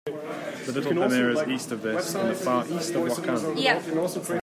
The Little Pamir is east of this in the far east of Wakhan.